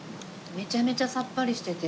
めちゃめちゃさっぱりしてて。